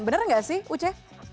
benar nggak sih uce